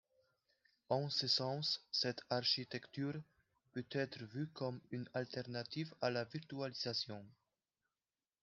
En ce sens, cette architecture peut être vue comme une alternative à la virtualisation.